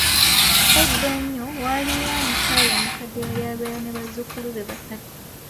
Edda enyo, waliyo omukyala omukadde eyali abeera ne bazukulu be basatu.